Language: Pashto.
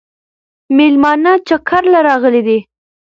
مېلمانه چکر له راغلي دي